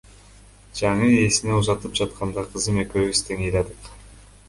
Жаңы ээсине узатып жатканда, кызым экөөбүз тең ыйладык.